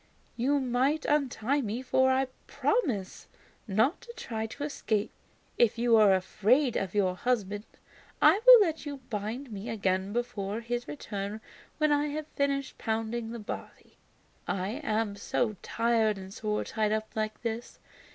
You might untie me, for I promise not to try to escape. If you are afraid of your husband, I will let you bind me again before his return when I have finished pounding the barley. I am so tired and sore tied up like this.